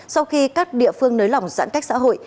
sau khi các địa phương nới lỏng giãn cách xã hội